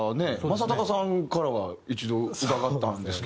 正隆さんからは一度伺ったんですけど。